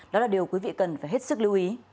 đó là điều quý vị cần phải hết sức lưu ý